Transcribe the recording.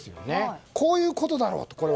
こういうことだろうと。